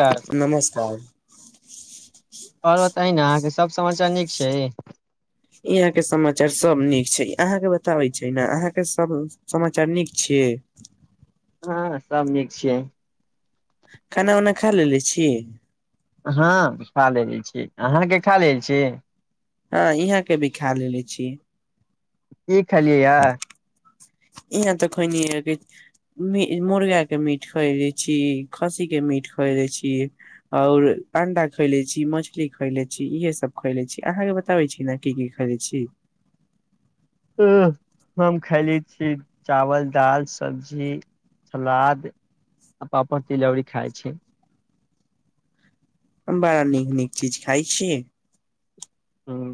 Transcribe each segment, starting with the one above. आओर नमस्कार। और बताई ने अहाँ सब समाचार नीक छै। इहाँ के समाचार सब नीक छै, अहाँ के बताबै छै ने अहाँ के सब समाचार नीक छिये। हाँ सब नीक छै। खाना-उना खा लेलेे छी। हाँ खा लेले छी, अहाँ के खा लेल छी। हाँ इहाँ के भी खा लेले छी। की खेलि या। इहाँ ते खेनिये अभी मी मुर्गा के मीट खएलै छी, खस्सीके मीट खएलै छी और अंडा खैएले छी, मछली खएलै छी, इहे सब खएलै छी, अहाँ के बताबै छी ने की की खएलै छी। उँह। हम खएलै छी। चावल, दाल, सब्जी, सलाद आ पापड़, तिलौरी खाय छी। बड़ा नीक-नीक चीज खाय छीये। ह्म्म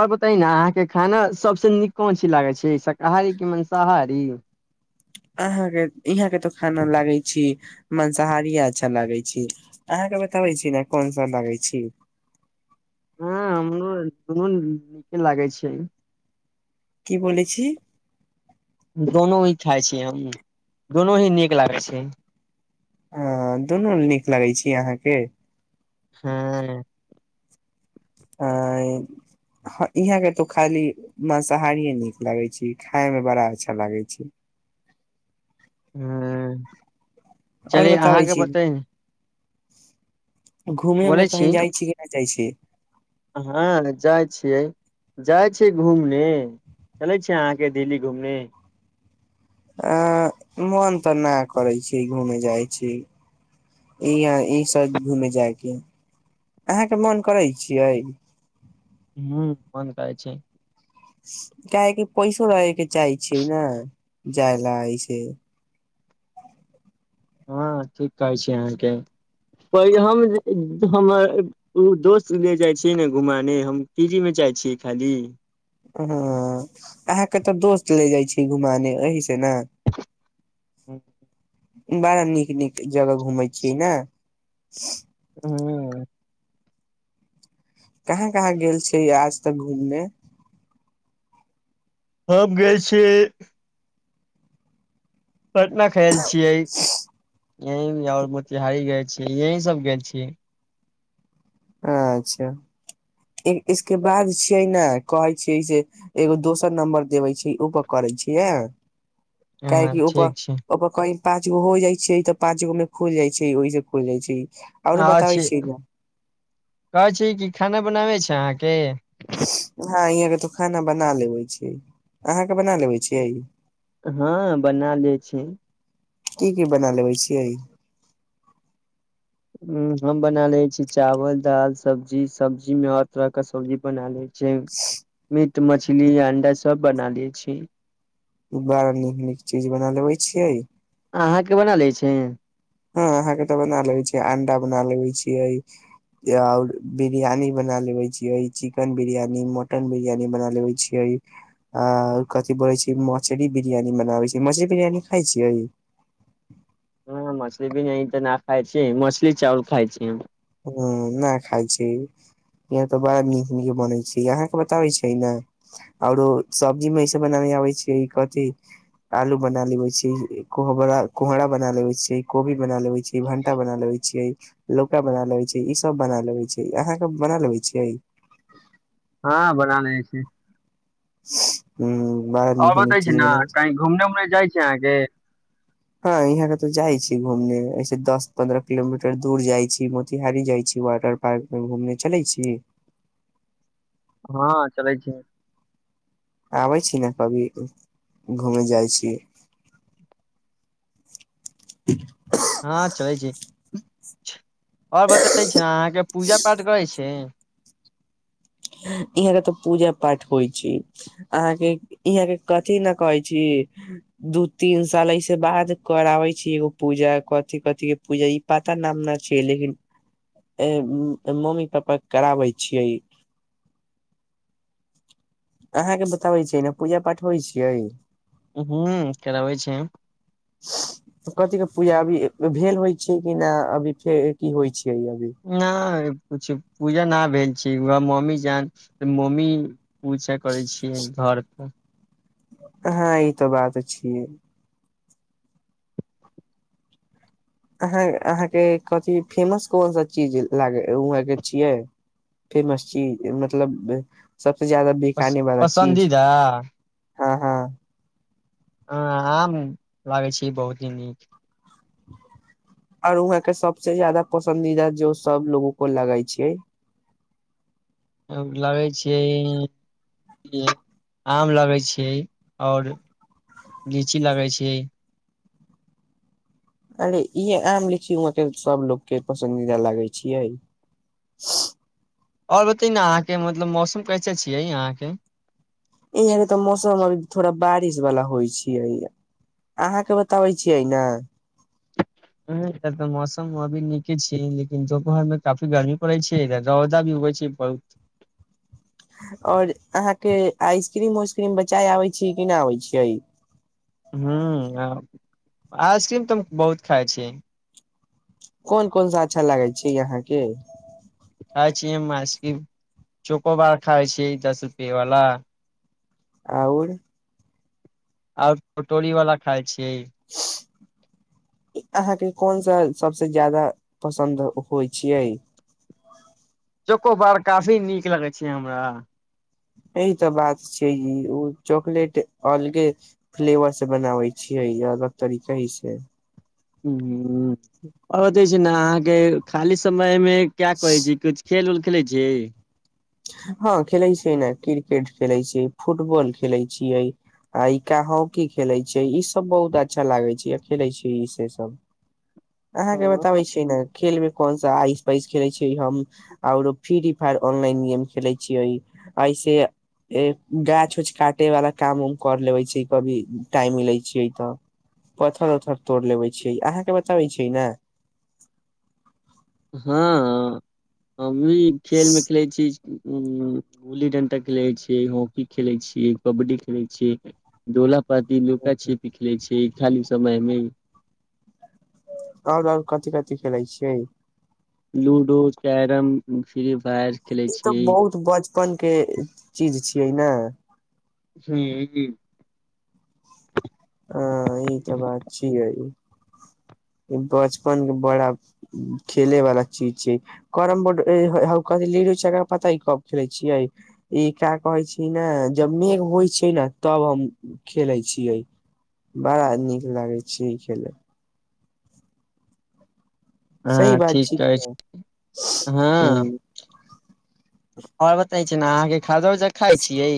और बताई ने अहाँ के खाना सबसे नीक कोन चीज लागै छै शकाहारी की मंसाहारी। अहाँ के इहाँ के तो खाना लागै छी मंसाहारिये अच्छा लागै छी, अहाँ के बताबै छी ने कोन सब लागै छी। हाँ हमरो दुनू नीके लागै छै। की बोले छी। दोनो ही खाय छी हम, दोनो ही नीक लागै छै। हाँ दुनू नीक लागै छी अहाँ के। हाँ। अ इ ह इहाँ के तो खाली मंसाहारिये नीक लागै छी, खाय मे बड़ा अच्छा लागै छै। हाँ। और चलि अहाँ बताबै के छी बताई ने घूमे मे कहीं जाय छी कि नै जाय छी। हँ जाइत छियै जाइत छियै घूमने चलै छियै अहाँके दिल्ली घूमने। मोन तऽ नहि करै छै घूमेय जाइ छी इह ईसभ घूमेय जायके अहाँके मोन करै छियै। हू बन्द करै छै। काहेक पैसो रहगै के चाहै छियै ने जाय ल छै। [unintelligible] हँ ठीक कहै छी अहाँके हम हमर ओ दोस्त ल जाइ छियै ने घुमाने हम फी मे जाइ छियै खाली। हाँ अहाँ के ते दोस्त ले जाय छी घुमाने एही से ना। ह्म्म। बड़ा नीक-नीक जगह घुमै छी ना। हूं। [unintelligible] कहाँ कहाँ गेल छै आज तक घूमने। [unintelligible] हम गए छियै। [unintelligible] [unintelligible] पटना। खेल छियै। [unintelligible] यही आओर मोतिहारी गेल छीियै यहीं सब गेल छीियै। [unintelligible] अच्छा इसके बाद छियै ने कहै छियै जे एगो दोसर नम्बर देबै छै ओपर करै छियै ह। [unintelligible] क हँ की उप ठीक छै -उप कअ। पाँच गो हो जाइ छै त पांच गो में खुल जाय छै ओहि से खुल जाइ छै। आ आओरो बताबै छी छियै ने। [unintelligible] [unintelligible] कहै छी कि खाना बनाबै छै अहाँके। हँ यहाँ के तू खाना बना लेबे छी अहाँके बना लेबे छीिय। [unintelligible] हँ बना ले छी। [unintelligible] की की बना लेबै छियै। [unintelligible] ह हम बना ले छी चावल दाल सब्जी- सब्जी में हर तरह के सब्जी बना ले छी। छै। [unintelligible] तऽ मछली या अंडा सब बना ले छी। [unintelligible] बड़ा नीक नीक चीज बना लेबे छियै। [unintelligible] अहाँके बना लै छै। [unintelligible] हँ अहाँ के तऽ बना लेबे छीियै अंडा बना लेबे छियै आऔर बिरियानी बना लेवे छियै चिकेन बिरियानी मटन बिरियानी बना लेवे छियै आ कथिी बोलै छी मछरी बिरियानी बना ले छीिय मछरी बिरियानी खााय छियै। [unintelligible] हँ मछली भी नहि अ तऽ न खाय छै मछली चावउल खाय छै। [unintelligible] ह नहि खााय छै यह तऽ बड़ा नीक नीक बनै छै अहाँके बताबै छै ने आओरो सब्जी मेस बनाबे आबै छै कथिी आलू बना लेबे छी कोहरा बना लेे छियै कोबी बना लेबे छिय भंटा बना लेबे छियै लोक। क बना लेबे छै ई सब बना लेबे छै अहाँके बना लेबे छियै। [unintelligible] हँ बढ़ान छै। [unintelligible] हूं। आओर बताै छै ने की घुमने- उमने। जाइ छै अहाँके। [unintelligible] हँ यहाँके तऽ जाइ छी घूमने ऐसे दस पन्द्रह किलोमीटर दूर जाइ छी मोतिहारी जाइ छी वाटर पार्कमे घूमने चलै छी। [unintelligible] हँ चलै छै। [unintelligible] आबै छी ने कभी घूमय जाइ छी। [unintelligible] [unintelligible] हँ चलै छै। [unintelligible] आओर बतै छी ने अहाँके पूजा पाठ करै छै। हं। [unintelligible] यहाँ के तऽ पूजा पाठ होइ छै, अहाँके यहाँ के कथि ने कहै छी, दू तीन साल ऐसे बाद कराबै छी, एगो पूजा कथि-कथि के पूजा ई पता नाम न छै लेकिन मम्मी-पप्पा कराबै छियै। अहाँके बताबै छी ने, पूजा-पाठ होइ छियै। हू कराबै छै। कथी क पूजा अभी भेल होइ छै, कि नहि अभी फेर की होइ छै। नइऽ। किछु पूजा न भेल छै, वहे मम्मी जान त मम्मी। पूजा करै छियै घर पर। हँ ई तो बात छ। अहाँ अहाँके कथिी फेमस कोन सा चीज लाग उह के छियै फेमस चीज मतलब सब। सब जादा बिके वा चीज पसन्दीदा हँ हँ। [unintelligible] हँ आम लागै छै, बहुते नीक। आओर वहाँ के सबसे ज्यादा पसंदीदा, जो सब लोगों को लगाई छैय। लगै छै, आम लगै छै आओर लीची लगै छै। अरे, इहे आम-लीची वहाँ के सबलोग के पसन्दीदा लागे छियै। आओर बतै ने अहाँके, मतलब मौसम कैसे छियै अहाँके। इहै क तऽ मौसम। थोड़ा बारिश वाला होइ छियै, अहाँके बताबै छियै ने। ह इधर तऽ मौसम अभी नीके छैय, लेकिन दुपहर में काफी गर्मी पड़ै छै, इधर रौदा भी उगै छै बहुत। आओर, अहाँके आइसक्रीम-उइसक्रीम बचाय आबै छीयै कि नहि आबै छियै। हुं, आइसक्रीम तऽ हम बहुत खाइ छी। कोन-कोन सा अच्छा लागै छै अहाँके। खाय छियै हम आइसक्रीम, चौकोबार खाइ छियै दस रुपे वाला। आओर आ ओटोली वाला खाइ छी। अहाँके कोन-सा। सबसे ज्यादा पसन्द होइ छियै। चोकोबार, काफी नीक लगै छै हमरा। य तऽ बात छैय, ओ चॉकलेट अलगे फ्लेवर से बनाबै छियै, अलग तरीके से। ह ह- हुं आ- जेना अहाँके खाली समय में। क्या कहै छी, कुछ खेल- उल। खेलै छी। हँ खेलैत छै ने, क्रिकेट खेलैत छै, फुटबॉल खेलै छियै आ हॉकी खेलैत छियै, ईसभ बहुत अच्छा लागैत छै खेलैत छै इ से सभ। अहाँ के बताबे छीयै ने खेल मे कोन सा आइस-पाइस खेले छै। की हम आरो फ्री फायर ऑनलाइन यन। खेलै छियै, ऐसे गाछ-उछ काटे वाला काम हम कर लेबै छै, कभी टाइम मिलै छै तऽ। पथर-ऊथर तोड़ लेबै छियै अहाँके बताबै छै ने। हँ। हमी खेल में खेले छी। उ गुल्ली-डंटा खेलै छीयै, हॉकी खेलै छियै, कबड्डी खेलैत छियै डोला। पति लुका-छीपी खेलै छै। खाली समयमे आओर आओर कथि कथि खेलैत छियै? लूडो, कैरम, फ्री फायर खेले ई तऽ छियै बहुत बचपन के चीज छै। कि ना? हुँ। ह ई तऽ बात छियै, बचपन के बड़ा खेले वाला चीज छै। कैरमबोर्ड लीड होय छै पता कब खेलै छियै, ई क्या कहै छै ने जब मेघ होइ छै ने तब हम खेलै छियै। बड़ा नीक लागै छै ई खेलय। सही हँ बात ठीक कहै ह छी। हँ आओर बता। जेना आहाँ के खाजा उजा खाइ छियै?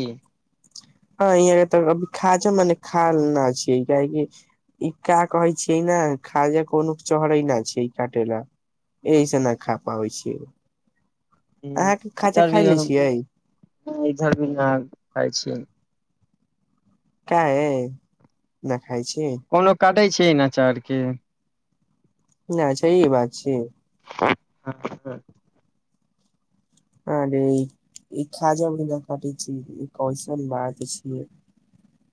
हं यहाँ तऽ अभी खाजा मने खाल न छी। काहे कि ई का कहै छियै ने खाजा कोनो चढ़ै न छै काटे ला। एहिसँ नहि खा पाबै छी। हँ इधर भी अब इधर भी न खाइ छी। [unintelligible] काहे? नहि खाइ छी। पढ़ै छै न आचार के? ना सही बात छै। [unintelligible] आरे ई‌ खाजा उजा काटै छियै। इ कौसन बात छियै?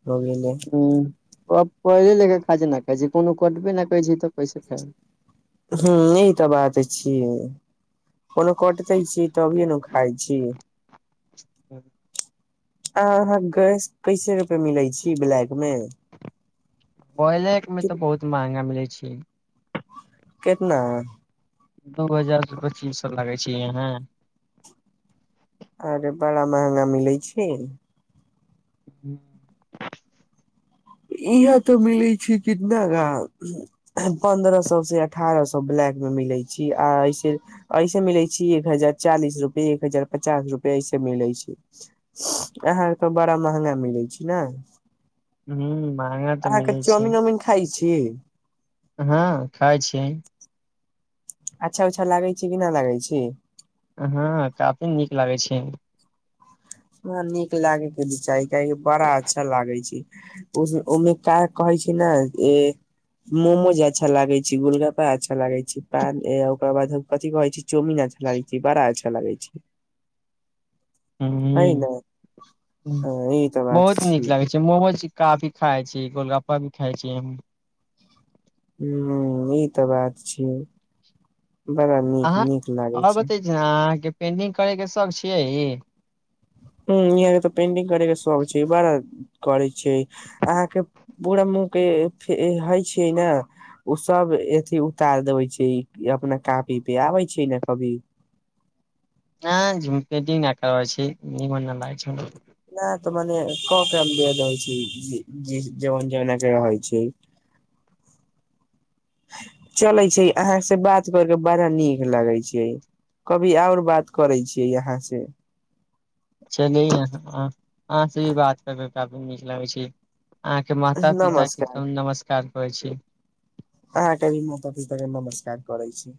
बगेले ह त पहिले ले के खाजा ना खाय छी। कोनो कटबे ना करै छी। तऽ कैसे खाइब? हं ई तऽ बात छियै। कोनो कटतै छी? तभिए ने खाय छी। [unintelligible] आ अहाँ गैस कैसे रुपये मिलै छी? ब्लैक मे? ब्रॉयलर मे तऽ बहुत महंगा मिलै छै। [unintelligible] कितना? दू हजार सँ पच्चीस‌‌ सौ लागै छै यहाँ। अरे बड़ा महँगा मिलै छै। [unintelligible] इहाँ तऽ मिलै छै कितना गा? पन्द्रह सौ से अठारह सौ ब्लैक मे मिलै छै। आ ऐसे ऐसे मिलै छी एक हजार चालीस रुपए, एक हजार पचास रुपए ऐसे मिलै छै। अहाँ अरके बड़ा महंगा मिलै छै ने। हू अहाँके चाउमिन-उऊमिन खाइ छी। की? हँ खाइ छियै। अच्छा-उच्छा लागै छी कि ना लागै छी? हँ काफी नीक लागै छै। हं नीक लागे के न चाही। काहे कि बड़ा अच्छा लागे छै। ओमे क कहै छैय ने जे मोमोज अच्छा लागै छैय, गोलगप्पा अच्छा लागै छैय, पान ओकरा बाद कथि कहै छैय चाउमीन अच्छा लागै छैय, बड़ा अच्छा लागै छैय। उं ई तऽ बात बहुत नीक छियै लागै छैय मोमोज। काफी खाइ छी गोलगप्पा भी खाइ छी हम। [unintelligible] ई तऽ बात छिय। अहाँ आ बतै छी ने अहाँके पेंटिंग करे के शौक छियै? हँ यहाँ के तऽ पेंटिंग करे के शौक छै। बड़ा करै छै अहाँ के पूरा मुह के हइ छै ने ओ सब अथी उतार देबे छै अपना कपी पे आबै छै ने कभी। हँ झुमपेटी ना करबै छी। निमन ना लागै छै। नहि तऽ मने क हम दे देइ छी जोन-जोना क रहइ छै। चलै छै अहाँ से बात कर के बड़ा नीक लगै छै। कभी आओर बात करै छियै अहाँ से। चलि आहाँ से भी बात करके काफी नीक लागै छै। अहाँके माता पिता के नमस्कार नमस्कार होइ छैय। अहाँ की क त नमस्कार करै छी।